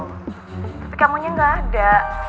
tapi kamu nya gak ada